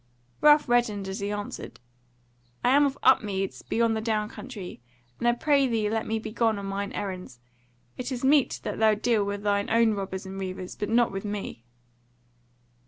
Ralph reddened as he answered: "I am of Upmeads beyond the down country; and I pray thee let me be gone on mine errands. It is meet that thou deal with thine own robbers and reivers, but not with me."